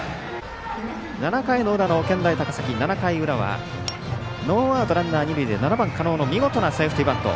７回の裏の健大高崎ノーアウト、ランナー、二塁で７番狩野の見事なセーフティーバント。